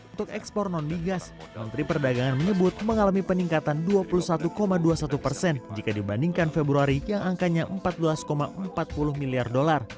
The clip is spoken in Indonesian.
untuk ekspor non migas menteri perdagangan menyebut mengalami peningkatan dua puluh satu dua puluh satu persen jika dibandingkan februari yang angkanya empat belas empat puluh miliar dolar